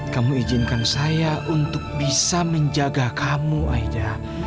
kamu izinkan saya untuk bisa menjaga kamu aida